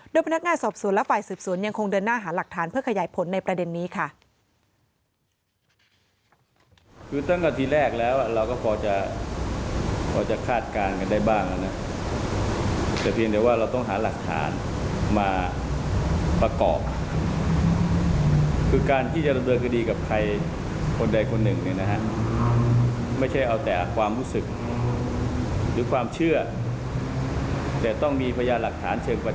โดยพนักงานสอบสวนและฝ่ายสืบสวนยังคงเดินหน้าหาหลักฐานเพื่อขยายผลในประเด็นนี้ค่ะ